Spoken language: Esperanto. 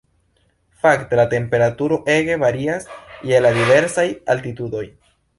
Fakte la temperaturo ege varias je la diversaj altitudoj.